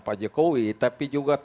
pak jokowi tapi juga